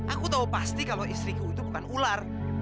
aku tahu pasti kalau istriku itu bukan ular